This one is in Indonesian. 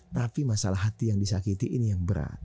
tapi masalah hati yang disakiti ini yang berat